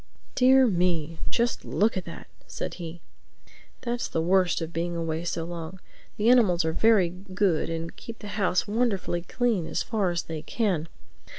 "Dear me, just look at that!" said he. "That's the worst of being away so long. The animals are very good and keep the house wonderfully clean as far as they can.